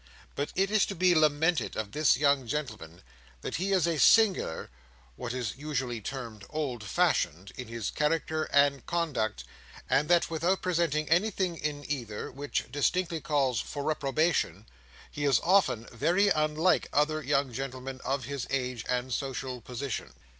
But it is to be lamented of this young gentleman that he is singular (what is usually termed old fashioned) in his character and conduct, and that, without presenting anything in either which distinctly calls for reprobation, he is often very unlike other young gentlemen of his age and social position.